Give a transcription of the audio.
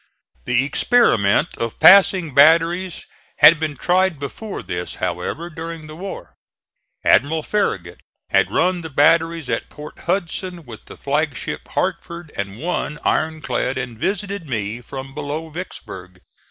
The experiment of passing batteries had been tried before this, however, during the war. Admiral Farragut had run the batteries at Port Hudson with the flagship Hartford and one iron clad and visited me from below Vicksburg.